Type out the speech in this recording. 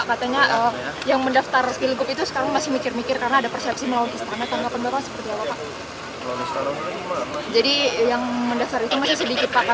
jadi yang mendaftar itu masih sedikit pak karena ada persepsi ngapain daftarkan melawan istana